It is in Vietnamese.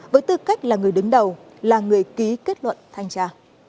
với tư cách là người đứng đầu là người ký kết luận thanh tra